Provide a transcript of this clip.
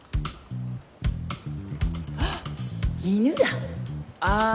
あっ犬だ！ああ！